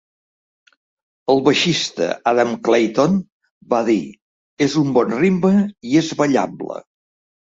El baixista Adam Clayton va dir És un bon ritme i és ballable.